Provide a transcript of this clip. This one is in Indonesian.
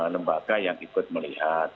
lembaga yang ikut melihat